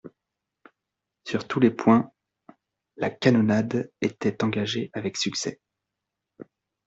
Sur tous les points, la canonnade était engagée avec succès.